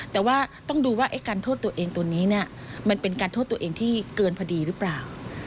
แต่ว่าต้องดูว่าการโทษตัวเองตัวนี้มันเป็นการโทษตัวเองที่เกินพอดีหรือเปล่า